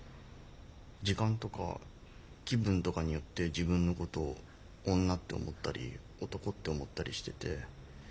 時間とか気分とかによって自分のことを女って思ったり男って思ったりしてて。